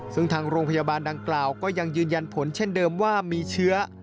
ซึ่งทางโรงพยาบาลดังกล่าวก็ยังยืนยันผลเช่นเดิมว่ามีเชื้อ